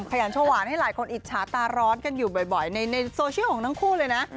ขยันโชว์หวานให้หลายคนอิจฉาตาร้อนกันอยู่บ่อยในโซเชียลของทั้งคู่เลยนะ